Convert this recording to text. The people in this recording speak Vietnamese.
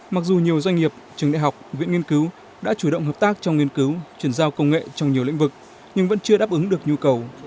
mặc dù nhiều doanh nghiệp trường đại học viện nghiên cứu đã chủ động hợp tác trong nghiên cứu chuyển giao công nghệ trong nhiều lĩnh vực nhưng vẫn chưa đáp ứng được nhu cầu